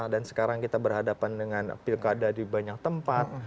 dan sekarang kita berhadapan dengan pilkada di banyak tempat